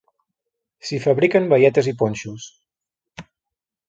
S'hi fabriquen baietes i ponxos.